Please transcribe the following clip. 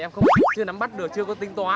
bạn có biết chỗ nào kiểu chơi mà